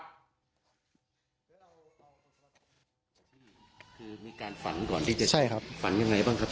คือมีการฝันก่อนที่จะใช่ครับฝันยังไงบ้างครับ